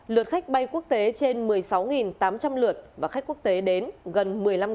lượt khách bay quốc tế trên một mươi sáu tám trăm linh lượt và khách quốc tế đến gần một mươi năm